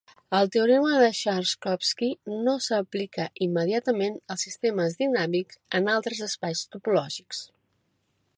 El teorema de Sharkovskii no s'aplica immediatament als sistemes dinàmics en altres espais topològics.